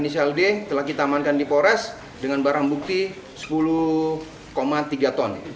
ketiga ini adalah gula yang telah kita tamankan di pores dengan barang bukti sepuluh tiga ton